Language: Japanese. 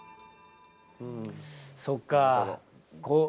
うんそっかあ。